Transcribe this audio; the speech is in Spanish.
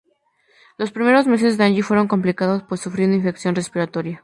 Los primeros meses de Angie fueron complicados, pues sufrió una infección respiratoria.